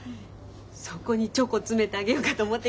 そこにチョコ詰めてあげようかと思って。